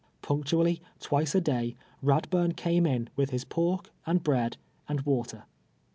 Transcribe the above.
Punctually, twice a day, Eadburn came in, with his pork, and bread, and water.